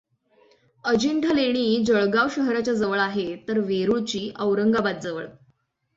अजिंठा लेणी जळगांव शहराच्या जवळ आहेत, तर वेरूळची औरंगाबादजवळ.